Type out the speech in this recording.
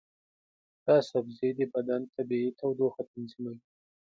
دا سبزی د بدن طبیعي تودوخه تنظیموي.